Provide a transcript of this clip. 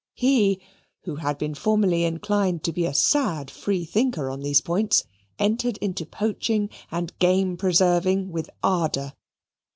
He (who had been formerly inclined to be a sad free thinker on these points) entered into poaching and game preserving with ardour.